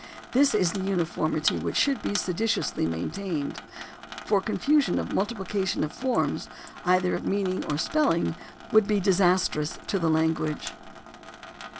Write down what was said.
This is the uniformity which should be sedulously maintained, for confusion or multiplication of forms, either of meaning or spelling, would be disastrous to the language.